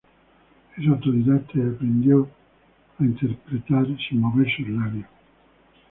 Es autodidacta y aprendió a interpretar sin mover sus labios.